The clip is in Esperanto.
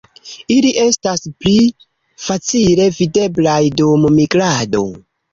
Ili estas pli facile videblaj dum migrado.